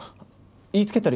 言いつけたら。